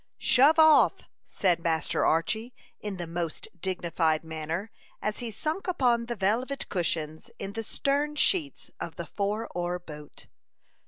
"Shove off!" said Master Archy, in the most dignified manner, as he sunk upon the velvet cushions in the stern sheets of the four oar boat.